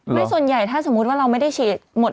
ไม่ส่วนใหญ่ถ้าสมมติว่าเราไม่ได้ฉีด